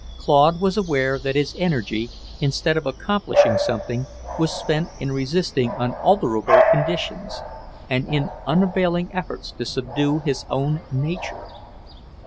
Claude was aware that his energy, instead of accomplishing something, was spent in resisting unalterable conditions, and in unavailing efforts to subdue his own nature.